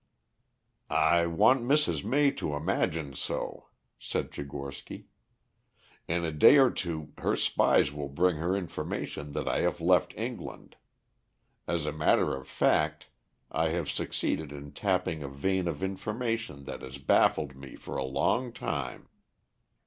"I want Mrs. May to imagine so," said Tchigorsky. "In a day or two her spies will bring her information that I have left England. As a matter of fact, I have succeeded in tapping a vein of information that has baffled me for a long time.